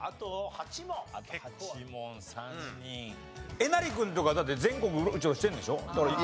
えなり君とかだって全国うろちょろしてるんでしょ？